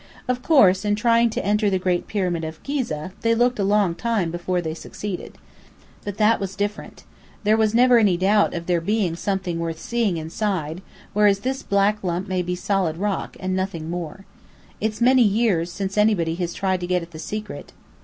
Of course, in trying to enter the great pyramid of Ghizeh, they looked a long time before they succeeded. But that was different. There was never any doubt of there being something worth seeing, inside, whereas this black lump may be solid rock, and nothing more. It's many years since anybody has tried to get at the secret."